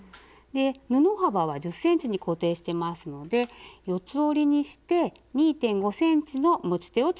布幅は１０ｃｍに固定してますので四つ折りにして２．５ｃｍの持ち手を作ります。